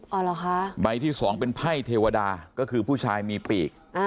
เหรอคะใบที่สองเป็นไพ่เทวดาก็คือผู้ชายมีปีก